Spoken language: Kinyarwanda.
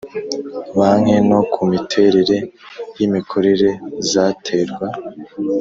banki no ku miterere y imikorere zaterwa